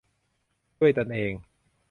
ด้วยตนเอง